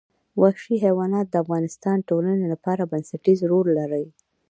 وحشي حیوانات د افغانستان د ټولنې لپاره بنسټيز رول لري.